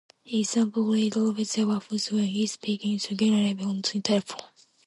"Example: "Craig always waffles when he's speaking to Genevieve on the telephone".